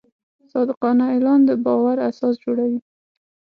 صادقانه اعلان د باور اساس جوړوي.